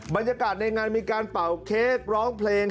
บรรยากาศในงานมีการเป่าเค้กร้องเพลง